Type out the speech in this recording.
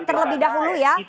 terlebih dahulu ya